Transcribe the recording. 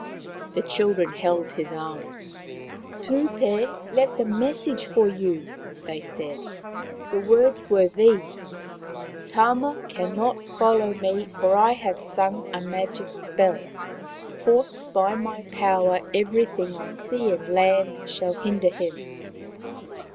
The children held his arms. " Tute left a mes sage for you," they said. " The words were these :' Tama cannot follow me, for I have sung a magic spell. Forced by my power, every thing on sea and land shall hinder him.